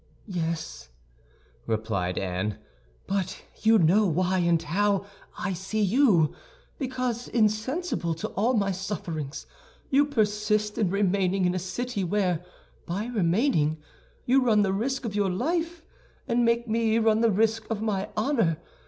"Yes," replied Anne, "but you know why and how I see you; because, insensible to all my sufferings, you persist in remaining in a city where, by remaining, you run the risk of your life, and make me run the risk of my honor.